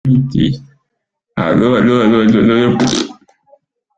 The Bible is always right.